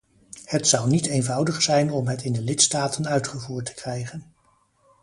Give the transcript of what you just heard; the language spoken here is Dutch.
Het zou niet eenvoudig zijn om het in de lidstaten uitgevoerd te krijgen.